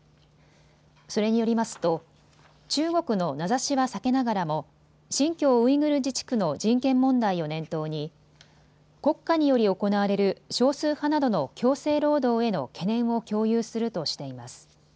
それによりますと中国の名指しは避けながらも新疆ウイグル自治区の人権問題を念頭に国家により行われる少数派などの強制労働への懸念を共有するとしています。